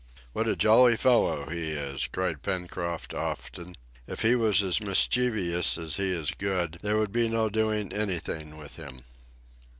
"What a jolly fellow he is!" cried Pencroft often. "If he was as mischievous as he is good, there would be no doing anything with him!"